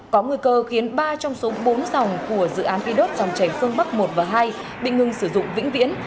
có nguy cơ khiến ba trong số bốn dòng của dự án khí đốt dòng chảy phương bắc một và hai bị ngừng sử dụng vĩnh viễn